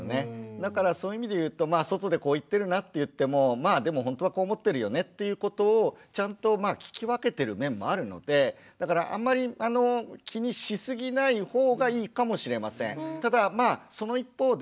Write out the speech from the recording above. だからそういう意味で言うと外でこう言ってるなっていってもまあでもほんとはこう思ってるよねっていうことをちゃんと聞き分けてる面もあるのでだからあんまり気にしすぎないほうがいいかもしれません。